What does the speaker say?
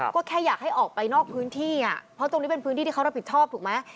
ก็แค่อยากให้ออกไปนอกพื้นที่อ่ะเพราะตรงนี้เป็นพื้นที่ที่เขารับผิดชอบถูกไหม